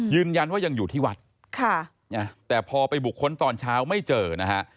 ยืนยันว่ายังอยู่ที่วัดแต่พอไปบุคคลตอนเช้าไม่เจอนะฮะ